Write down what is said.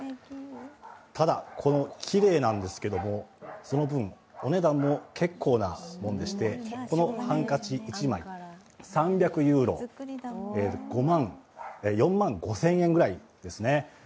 ただ、きれいなんですけども、その分、お値段も結構なもんでしてこのハンカチ１枚、３００ユーロ、４万５０００円ぐらいですね。